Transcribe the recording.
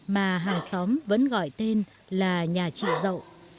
mà hàng xóm vẫn gọi tên là nhà chị dậu